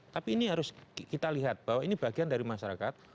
tapi ini harus kita lihat bahwa ini bagian dari masyarakat